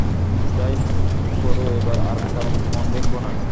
যাই করো এইবার আর তার মন ভেঙো না।